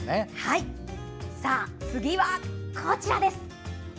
次は、こちらです。